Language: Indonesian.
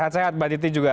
sehat sehat mbak titi juga